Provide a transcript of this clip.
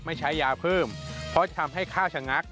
ไม่ใช้ยาเพิ่มเพราะจะทำให้ข้าวชะงัก